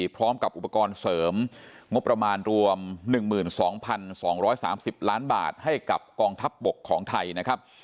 พร้อมกับอุปกรณ์เสริมงบประมาณรวม๑๒๒๓๐ล้านบาทให้กับกองทัพบกของไทยนะครับ